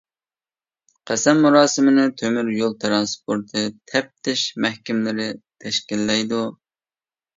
قەسەم مۇراسىمىنى تۆمۈريول تىرانسپورتى تەپتىش مەھكىمىلىرى تەشكىللەيدۇ.